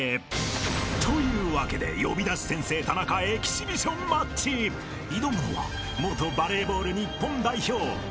［というわけで『呼び出し先生タナカ』エキシビションマッチ］［挑むのは元バレーボール日本代表狩野さん］